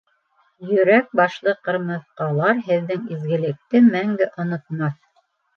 Йөрәк башлы ҡырмыҫҡалар һеҙҙең изгелекте мәңге онотмаҫ!